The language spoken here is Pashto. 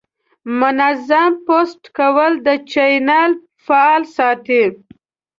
منظم پوسټ کول د چینل فعال ساتي.